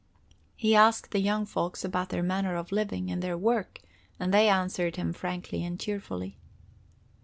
He asked the young folks about their manner of living, and their work, and they answered him frankly and cheerfully.